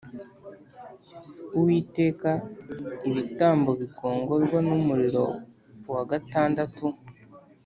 Uwiteka ibitambo bikongorwa n umuriro uwa gatandatu